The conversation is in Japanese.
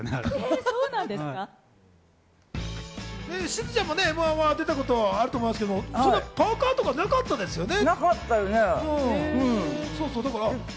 しずちゃんもね、М‐１は出たことあると思いますけれども、パーカとかなかったですよね。